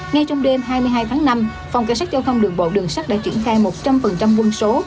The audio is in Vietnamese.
ngay trong đêm hai mươi hai tháng năm phòng cảnh sát giao thông đường bộ đường sắt đã triển khai một trăm linh quân số